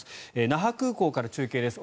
那覇空港から中継です。